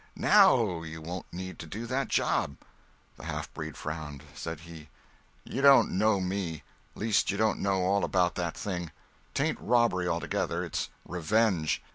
"Now you won't need to do that job." The halfbreed frowned. Said he: "You don't know me. Least you don't know all about that thing. 'Tain't robbery altogether—it's revenge!"